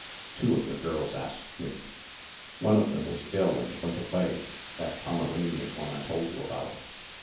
Two of the girls asked me. One of them was ill and went away that Pomeranian one I told you about.